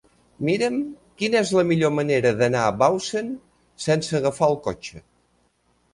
Mira'm quina és la millor manera d'anar a Bausen sense agafar el cotxe.